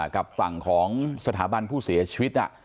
กับฝั่งของสถาบันผู้เสียชีวิต